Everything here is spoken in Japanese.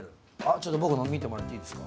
ちょっと僕の見てもらっていいですか？